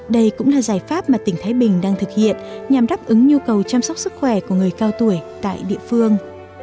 đây cũng là giải pháp mà tỉnh thái bình đang thực hiện nhằm đáp ứng nhu cầu chăm sóc sức khỏe của người cao tuổi tại địa phương